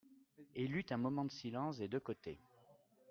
Il y eut un moment de silence des deux côtés.